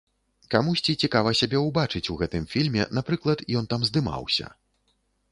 Камусьці цікава сябе ўбачыць у гэтым фільме, напрыклад, ён там здымаўся.